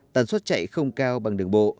tần suất chạy không cao bằng đường bộ